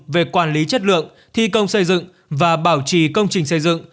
về quản lý chất lượng thi công xây dựng và bảo trì công trình xây dựng